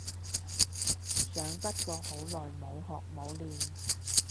想不過好耐冇學冇練